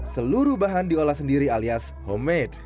seluruh bahan diolah sendiri alias homemade